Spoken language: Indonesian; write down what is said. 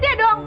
tidak ada apa